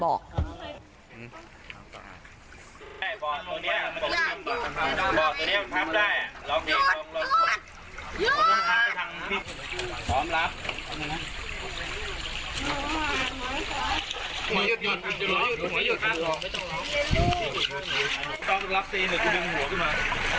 บอกตัวเนี่ยบอกตัวเนี่ยมันทำได้